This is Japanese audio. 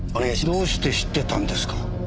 どうして知ってたんですか？